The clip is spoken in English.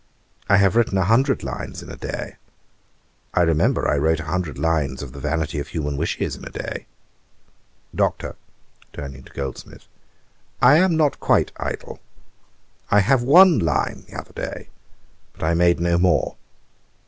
I have written a hundred lines in a day. I remember I wrote a hundred lines of The Vanity of Human Wishes in a day. Doctor, (turning to Goldsmith,) I am not quite idle; I have one line t'other day; but I made no more.'